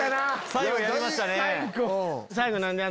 最後やりましたね。